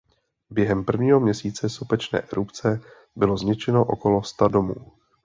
Během prvního měsíce sopečné erupce bylo zničeno okolo sta domů.